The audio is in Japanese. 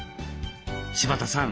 柴田さん